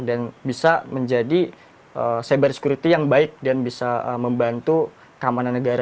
dan bisa menjadi cyber security yang baik dan bisa membantu keamanan negara